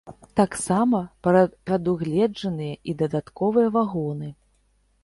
Таксама прадугледжаныя і дадатковыя вагоны.